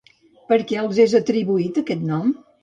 Per què els és atribuït aquest nom?